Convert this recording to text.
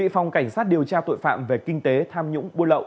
phòng cảnh sát điều tra tội phạm về kinh tế tham nhũng buôn lậu